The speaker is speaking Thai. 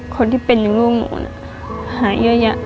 คนที่เป็นลูกหนูหายเยอะ